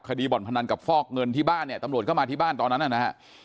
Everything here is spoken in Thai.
บ่อนพนันกับฟอกเงินที่บ้านเนี่ยตำรวจเข้ามาที่บ้านตอนนั้นนะฮะ